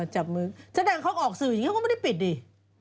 จับมือแสดงเขาออกสื่ออย่างนี้เขาก็ไม่ได้ปิดดิ